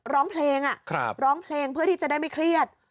ร้องเพลงร้องเพลงเพื่อที่จะได้ไม่เครียด